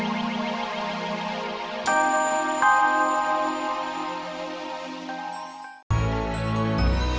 jangan lupa subscribe channel ndre